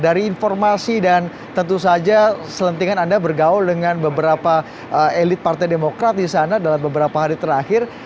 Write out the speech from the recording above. dari informasi dan tentu saja selentingan anda bergaul dengan beberapa elit partai demokrat di sana dalam beberapa hari terakhir